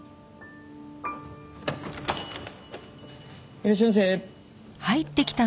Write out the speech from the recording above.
いらっしゃいませ。